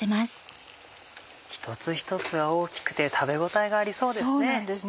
一つ一つが大きくて食べ応えがありそうですね。